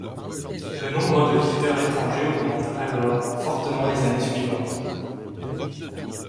Le nombre de visiteurs étrangers augmente alors fortement les années suivantes.